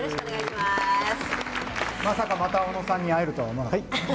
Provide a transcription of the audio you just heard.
まさか、また小野さんに会えるとは思わなかった。